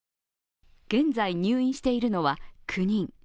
現在入院しているのは９人。